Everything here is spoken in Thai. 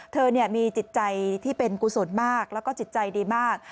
เธอมีจิตใจที่เป็นกุศลมากแล้วก็จิตใจดีมาก